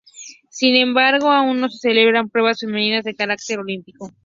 Sin embargo, aún no se celebran pruebas femeninas de carácter olímpico.